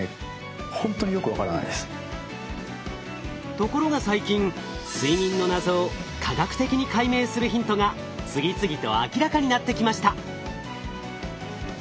ところが最近睡眠の謎を科学的に解明するヒントが次々と明らかになってきました。